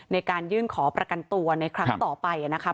ในการยื่นขอประกันตัวในครั้งต่อไปนะครับ